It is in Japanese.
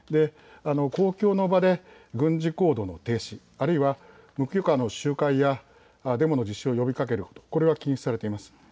公共の場で軍事行動の停止、あるいは無許可の集会やデモの実施を呼びかけることは禁止されています。